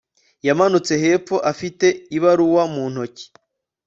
yamanutse hepfo afite ibaruwa mu ntoki